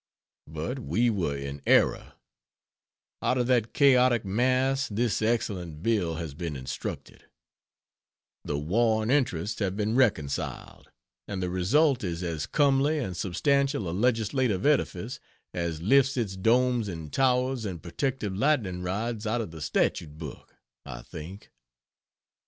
But we were in error; out of that chaotic mass this excellent bill has been instructed; the warring interests have been reconciled, and the result is as comely and substantial a legislative edifice as lifts its domes and towers and protective lightning rods out of the statute book, I think.